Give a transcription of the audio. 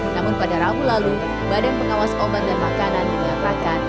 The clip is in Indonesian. namun pada rabu lalu badan pengawas obat dan makanan menyatakan